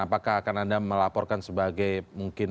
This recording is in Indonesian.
apakah akan anda melaporkan sebagai mungkin